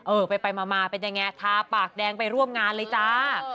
เออไปมาเป็นยังไงทาปากแดงไปร่วมงานเลยจ้า